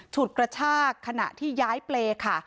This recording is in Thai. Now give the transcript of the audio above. ฉุดกระชากขณะที่ย้ายเปรย์ค่ะ